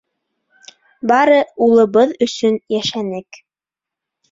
— Бары улыбыҙ өсөн йәшәнек.